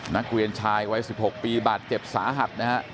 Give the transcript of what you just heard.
นักเรียนชายวัย๑๖ปีบาดเจ็บสาหัสนะฮะ